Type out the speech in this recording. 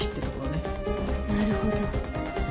なるほど。